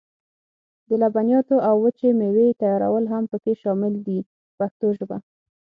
د لبنیاتو او وچې مېوې تیارول هم پکې شامل دي په پښتو ژبه.